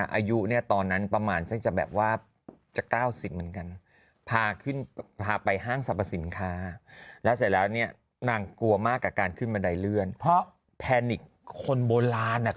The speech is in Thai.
อายุเนี่ยตอนนั้นประมาณจะแบบว่าจะก้าวสิบเหมือนกัน